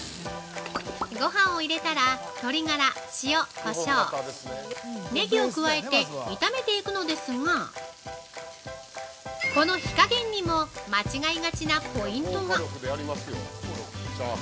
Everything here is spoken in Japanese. ◆ごはんを入れたら鶏ガラ、塩こしょう、ネギを加えて炒めていくのですがこの火加減にも間違いがちなポイントが！